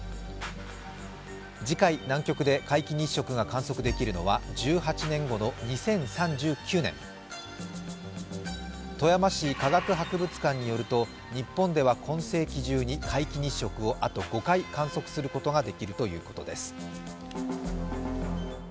次回、南極で皆既日食が観測できるのは１８年後の２０３９年、富山市科学博物館によると日本では今世紀中に皆既日食をあと５回観測することができるということです。